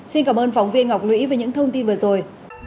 xin cảm ơn phóng viên ngọc lũy về những thông tin vừa rồi